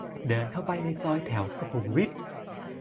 เดินเข้าไปในซอยแถวสุขุมวิท